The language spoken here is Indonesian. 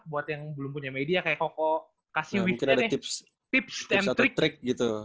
buat yang belum punya media kayak koko kasih tips and trick gitu